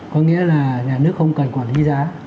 có nghĩa là nhà nước không cần quản lý giá